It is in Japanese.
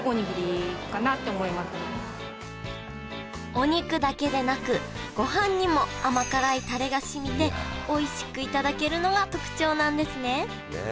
お肉だけでなくごはんにも甘辛いタレがしみておいしく頂けるのが特徴なんですねねえ